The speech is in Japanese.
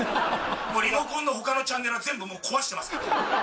リモコンのほかのチャンネルは全部、壊してますから。